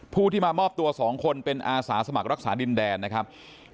ผู้ที่มามอบตัว๒คนเป็นอาสาสมัครรักษาดินแดนนะครับ